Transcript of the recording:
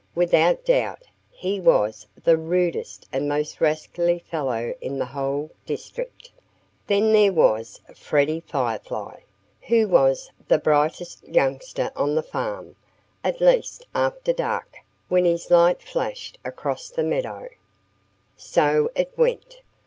Without doubt he was the rudest and most rascally fellow in the whole district. Then there was Freddie Firefly, who was the brightest youngster on the farm at least after dark, when his light flashed across the meadow. So it went.